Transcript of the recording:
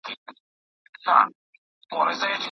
هغه د مڼې د اوبو په څښلو بوخت دی.